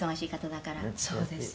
「そうです。